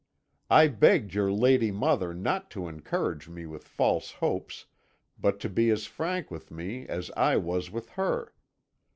I begged your lady mother not to encourage me with false hopes, but to be as frank with me as I was with her.